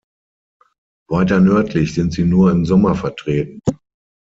Weiter nördlich sind sie nur im Sommer vertreten.